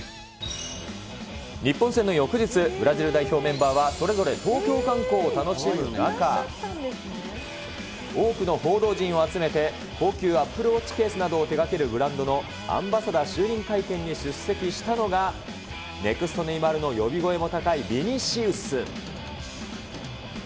日本戦の翌日、ブラジル代表メンバーは、それぞれ東京観光を楽しむ中、多くの報道陣を集めて、高級アップルウォッチケースなどを手がけるブランドのアンバサダー就任会見に出席したのが、ネクストネイマールの呼び声も高いビニシウス。